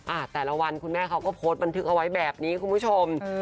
แต่ละวันคุณแม่เขาก็โพสต์บันทึกเอาไว้แบบนี้คุณผู้ชม